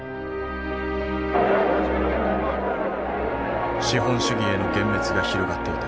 資本主義への幻滅が広がっていた。